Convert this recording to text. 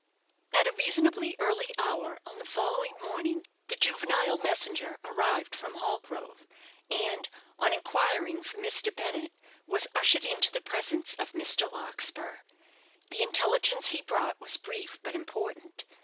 At a reasonably early hour on the following morning, the juvenile messenger arrived from Hallgrove, and, on inquiring for Mr. Bennett, was ushered into the presence of Mr. Larkspur. The intelligence he brought was brief, but important.